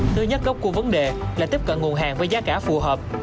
thứ nhất gốc của vấn đề là tiếp cận nguồn hàng với giá cả phù hợp